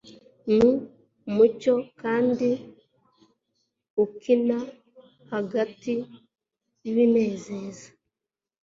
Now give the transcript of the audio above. n'umucyo kandi ukina hagati y'ibinezeza